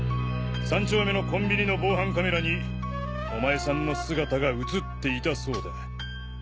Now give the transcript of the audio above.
３丁目のコンビニの防犯カメラにお前さんの姿が映っていたそうだ。